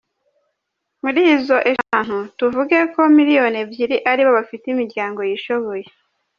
Muri izo eshantu, tuvuge ko miliyoni ebyiri aribo bafite imiryango yishoboye.